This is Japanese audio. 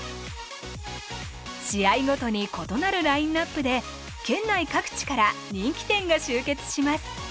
試合ごとに異なるラインナップで県内各地から人気店が集結します。